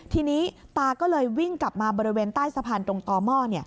ทีนี้ตาก็เลยวิ่งกลับมาบริเวณใต้สะพานตรงต่อหม้อ